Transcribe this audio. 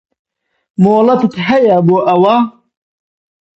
مۆڵەتت هەیە بۆ ئەوە؟